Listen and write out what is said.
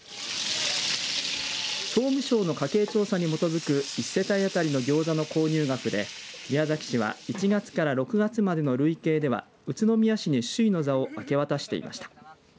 総務省の家計調査に基づく１世帯当たりのギョーザの購入額で宮崎市は１月から６月までの累計では宇都宮市に首位の座を明け渡していました。